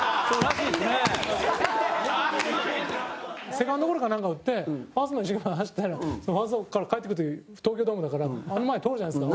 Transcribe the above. セカンドゴロかなんか打ってファーストまで一生懸命走ったら帰ってくる時、東京ドームだから前、通るじゃないですか。